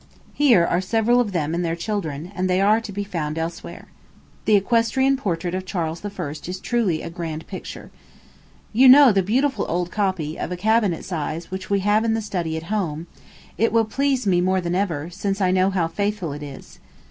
Here are several of them and their children, and they are to be found elsewhere. The equestrian portrait of Charles I. is a truly grand picture. You know the beautiful old copy, of a cabinet size, which we have in the study at home: it will please me more than ever, since I know how faithful it is.